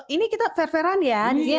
ini kita fair faran ya